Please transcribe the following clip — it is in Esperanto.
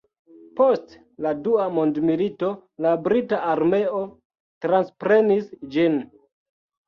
Post la dua mondmilito la brita armeo transprenis ĝin.